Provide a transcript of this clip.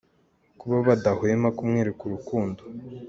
kuba badahwema kumwereka urukundo.